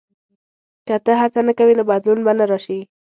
• که ته هڅه نه کوې، نو بدلون به نه راشي.